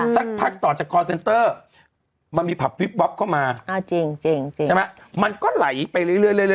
สักพักต่อจากคอร์เซนเตอร์มันมีผับวิบวับเข้ามาจริงใช่ไหมมันก็ไหลไปเรื่อย